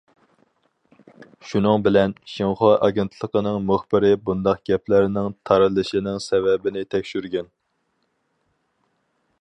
شۇنىڭ بىلەن، شىنخۇا ئاگېنتلىقىنىڭ مۇخبىرى بۇنداق گەپلەرنىڭ تارىلىشىنىڭ سەۋەبىنى تەكشۈرگەن.